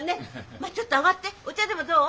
まあちょっと上がってお茶でもどう？